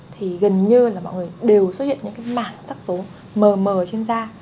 thì gần như là mọi người đều xuất hiện những mảng sắc tố mờ mờ trên da